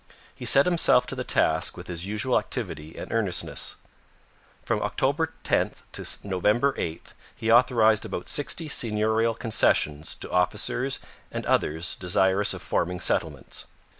He set himself to the task with his usual activity and earnestness. From October 10 to November 8 he authorized about sixty seigneurial concessions to officers and others desirous of forming settlements.